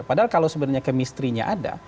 padahal kalau sebenarnya kemistrinya ada